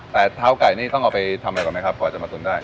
แต่เท้าไก่นี่ต้องเอาไปทำอะไรก่อนไหมครับกว่าจะมาตุ๋นได้